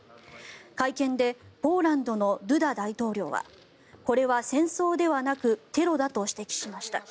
会見でポーランドのドゥダ大統領はこれは戦争ではなくテロだと指摘しました。